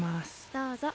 どうぞ。